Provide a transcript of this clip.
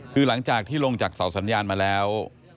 คือหลังจากที่ลงจากเสาสัญญาณมาแล้ว